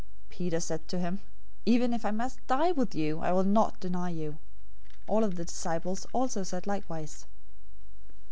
026:035 Peter said to him, "Even if I must die with you, I will not deny you." All of the disciples also said likewise.